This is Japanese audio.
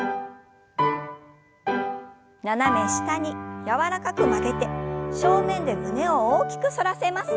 斜め下に柔らかく曲げて正面で胸を大きく反らせます。